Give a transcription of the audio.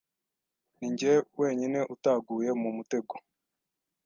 Ninjye wenyine utaguye mu mutego.